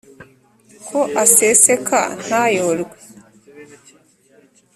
ko aseseka ntayorwe